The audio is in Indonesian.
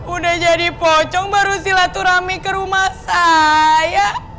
udah jadi pocong baru sila turami ke rumah saya